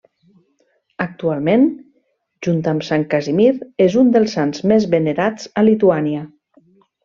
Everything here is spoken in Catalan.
Actualment, junt amb Sant Casimir és un dels Sants més venerats a Lituània.